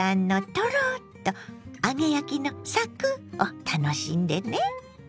トロッと揚げ焼きのサクッを楽しんでね。